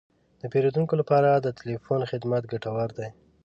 د پیرودونکو لپاره د تلیفون خدمت ګټور دی.